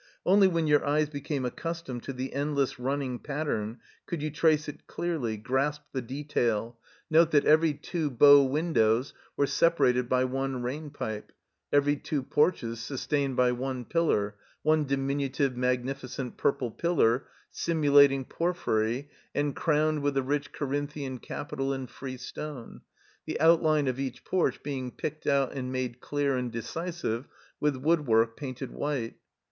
Only when your eyes became accustomed to the endless running pattern could you trace it clearly, grasp the detail, note that 130 THE COMBINED MAZE every two bow windows were separated by one rain pipe, every two porches sustained by one pillar, one diminutive magnificent purple pillar, simulating porphyry and crowned with a rich Corinthian capi tal in freestone, the outline of each porch being picked out and made clear and decisive with wood work painted white.